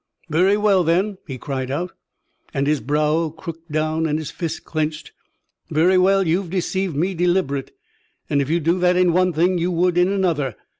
"Very well, then!" he cried out, and his brow crooked down and his fists clenched. "Very well, you've deceived me deliberate, and if you'd do that in one thing, you would in another.